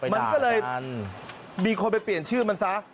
มันก็เลยมีคนไปเปลี่ยนชื่อมันซะ